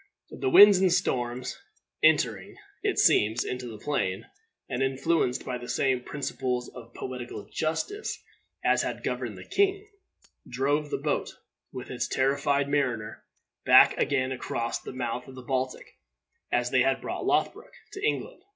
The winds and storms entering, it seems, into the plan, and influenced by the same principles of poetical justice as had governed the king drove the boat, with its terrified mariner, back again across to the mouth of the Baltic, as they had brought Lothbroc to England.